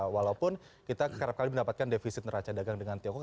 walaupun kita kerap kali mendapatkan defisit neraca dagang dengan tiongkok